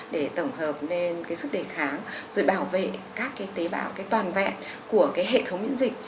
để tổng hợp lên cái sức đề kháng rồi bảo vệ các cái tế bào cái toàn vẹn của cái hệ thống miễn dịch